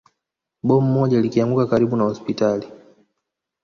Bomu moja likianguka karibu na hospitali